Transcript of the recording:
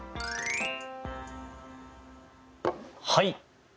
はい。